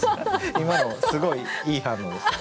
今のすごいいい反応ですね。